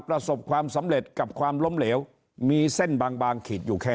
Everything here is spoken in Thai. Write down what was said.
ประสบความสำเร็จกับความล้มเหลวมีเส้นบางขีดอยู่แค่